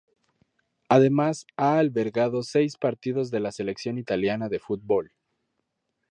Además, ha albergado seis partidos de la selección italiana de fútbol.